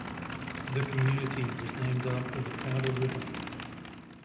The community was named after the Powder River.